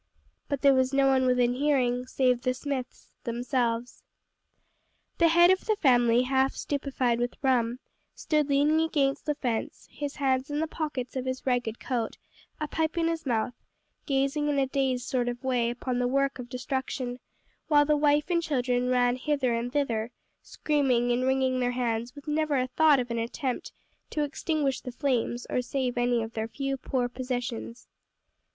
But there was no one within hearing, save the Smiths themselves. The head of the family, half stupefied with rum, stood leaning against the fence, his hands in the pockets of his ragged coat, a pipe in his mouth, gazing in a dazed sort of way upon the work of destruction; while the wife and children ran hither and thither, screaming and wringing their hands with never a thought of an attempt to extinguish the flames or save any of their few poor possessions.